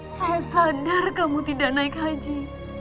saya sadar kamu tidak naik haji